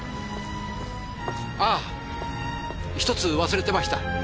あぁ１つ忘れてました。